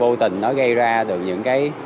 vô tình nó gây ra được những cái